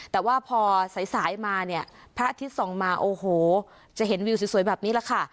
แต่ว่าพอสายมาเนี่ยพระอาทิตย์ส่องมาโอ้โหจะเห็นวิวสวยแบบนี้แหละค่ะ